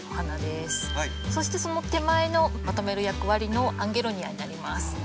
そしてその手前のまとめる役割のアンゲロニアになります。